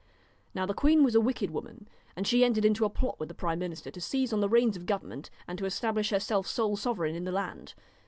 Now the queen was a wicked woman, and she entered into a plot with the prime minister to seize on the reins of government, and to establish her self sole sovereign in the land.